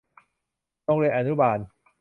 โรงเรียนอนุบาล